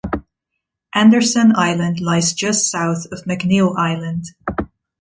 Anderson Island lies just south of McNeil Island.